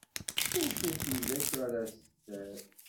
Ur tufi acu ara s-d-terr.